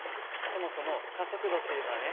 そもそも加速度っていうのはね